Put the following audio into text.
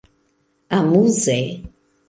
amuze